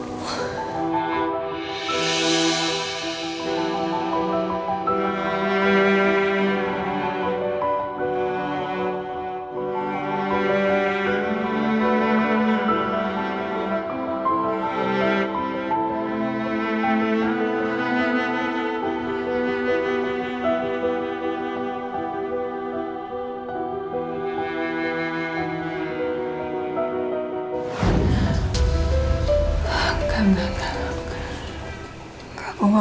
sampai jumpa di video selanjutnya